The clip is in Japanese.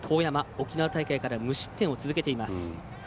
沖縄大会から無失点を続けています。